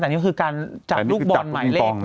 แต่นี่คือการจับลูกบอลหมายเลข